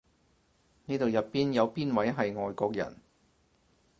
呢度入邊有邊位係外國人？